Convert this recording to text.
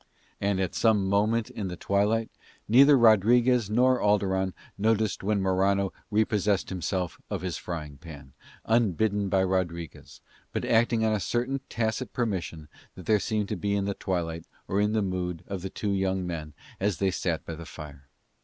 And at some moment in the twilight, neither Rodriguez nor Alderon noticed when, Morano repossessed himself of his frying pan, unbidden by Rodriguez, but acting on a certain tacit permission that there seemed to be in the twilight or in the mood of the two young men as they sat by the fire.